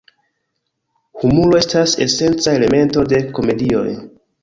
Humuro estas esenca elemento de komedioj.